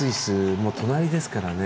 もう隣ですからね